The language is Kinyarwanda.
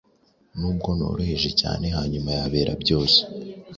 Nubwo noroheje cyane hanyuma y’abera bose,